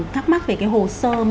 thắc mắc về hồ sơ